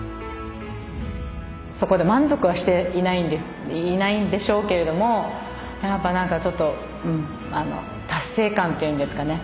そこで満足はしていないんでしょうけれどもやっぱ何かちょっとうん達成感っていうんですかね。